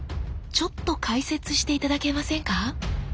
ちょっと解説して頂けませんか？